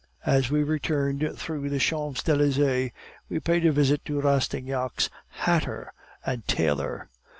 "As we returned through the Champs Elysees, we paid a visit to Rastignac's hatter and tailor.